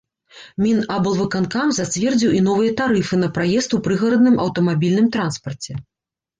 Мінаблвыканкам зацвердзіў і новыя тарыфы на праезд у прыгарадным аўтамабільным транспарце.